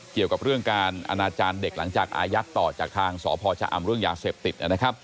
เกี่ยวกับเรื่องการอนาจารย์เด็กหลังจากอายัดต่อจากทางสพชะอำเรื่องยาเสพติด